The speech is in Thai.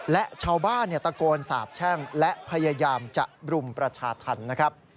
และชาวบ้านตะโกนสาบแช่งและพยายามจะรุมประชาธรรมนะครับ